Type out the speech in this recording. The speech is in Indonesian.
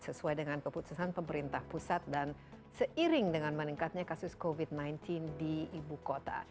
sesuai dengan keputusan pemerintah pusat dan seiring dengan meningkatnya kasus covid sembilan belas di ibu kota